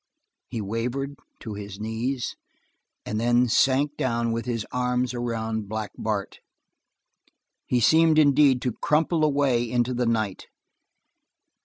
He wavered to his knees, and then sank down with his arms around Black Bart. He seemed, indeed, to crumple away into the night.